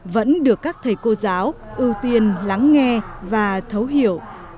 vẫn được các thầy cô giáo ưu tiên lắng nghe và thấu hiểu